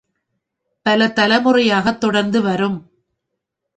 பல தலைமுறையாகத் தொடர்ந்துவரும்